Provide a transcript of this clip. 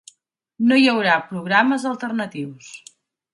No hi haurà programes alternatius.